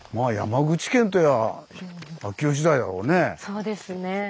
そうですね。